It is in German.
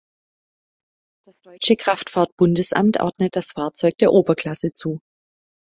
Das Deutsche Kraftfahrt-Bundesamt ordnet das Fahrzeug der Oberklasse zu.